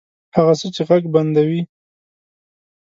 هغه څه چې ږغ بندوي